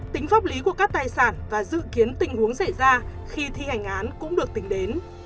tính pháp lý của các tài sản và dự kiến tình huống xảy ra khi thi hành án cũng được tính đến